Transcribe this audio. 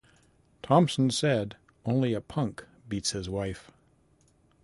Thompson said: Only a punk beats his wife.